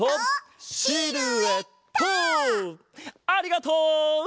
ありがとう！